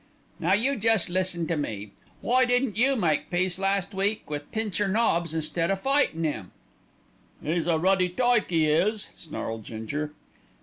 "Now you jest listen to me. Why didn't you make peace last week with Pincher Nobbs instead o' fightin' 'im?" "'E's a ruddy tyke, 'e is," snarled Ginger.